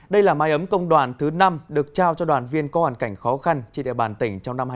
đây là mái ấm công đoàn thứ năm được trao cho đoàn viên có hoàn cảnh khó khăn trên địa bàn tỉnh trong năm hai nghìn hai mươi